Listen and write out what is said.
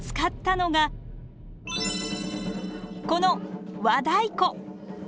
この和太鼓。